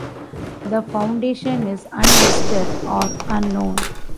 The foundation is unlisted or unknown.